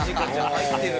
入ってる。